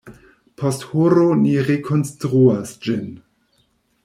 Post horo ni rekonstruas ĝin.